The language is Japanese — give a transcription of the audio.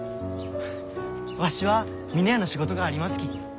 フッわしは峰屋の仕事がありますき。